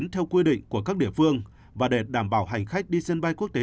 theo quy định của các địa phương và để đảm bảo hành khách đi sân bay quốc tế